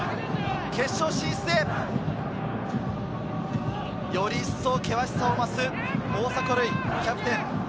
決勝進出へ、より一層、険しさを増す大迫塁キャプテン。